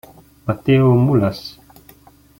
Matteo Mulas